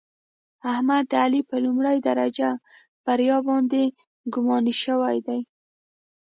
احمد د علي په لومړۍ درجه بریا باندې ګماني شوی دی.